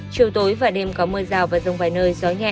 chiều tối và đêm có mưa rào và rông vài nơi gió nhẹ